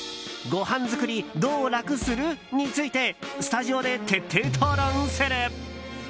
ごはん作りどうラクする？についてスタジオで徹底討論する。